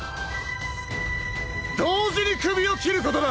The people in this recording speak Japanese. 同時に首を斬ることだ！